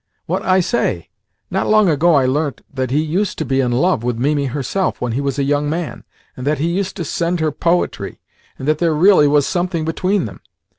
"What I say. Not long ago I learnt that he used to be in love with Mimi herself when he was a young man, and that he used to send her poetry, and that there really was something between them.